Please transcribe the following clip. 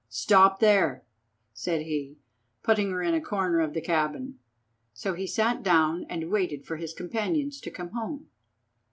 "Stop there," said he, putting her in a corner of the cabin. So he sat down and waited for his companions to come home.